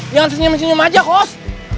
jangan senyum senyum aja kos